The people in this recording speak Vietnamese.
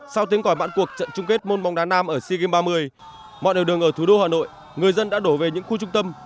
sau tiếng còi mãn cuộc trận chung kết môn bóng đá nam ở sea games ba mươi mọi đường ở thủ đô hà nội người dân đã đổ về những khu trung tâm